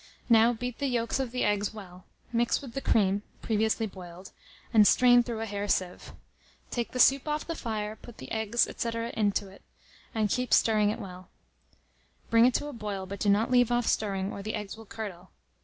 Now beat the yolks of the eggs well, mix with the cream (previously boiled), and strain through a hair sieve. Take the soup off the fire, put the eggs, &c. to it, and keep stirring it well. Bring it to a boil, but do not leave off stirring, or the eggs will curdle.